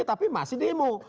tapi masih demo